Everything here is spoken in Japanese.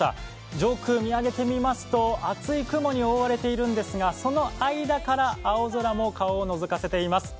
上空見上げてみますと厚い雲に覆われているんですが、その間から青空も顔をのぞかせています。